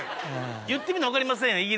言ってみな分かりませんやん。